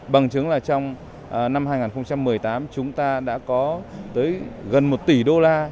bằng chứng là trong năm hai nghìn một mươi tám chúng ta đã có tới gần một tỷ đô la